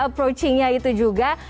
approaching nya itu juga